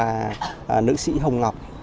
đấy là nữ sĩ hồng ngọc